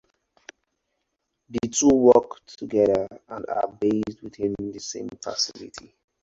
The two work together and are based within the same facility.